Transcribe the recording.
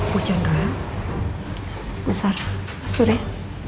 bu jendral besara pak surya